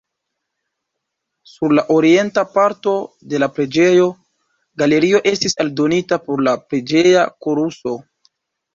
Sur la orienta parto de la preĝejo, galerio estis aldonita por la preĝeja koruso.